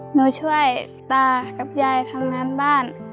หนูช่วยตากับยายทำงานบ้าน